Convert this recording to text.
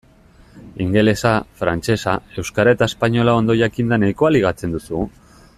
Ingelesa, frantsesa, euskara eta espainola ondo jakinda nahikoa ligatzen duzu?